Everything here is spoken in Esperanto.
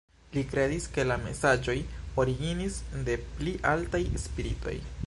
Li kredis, ke la mesaĝoj originis de pli altaj spiritoj.